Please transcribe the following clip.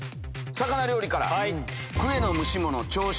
魚料理から。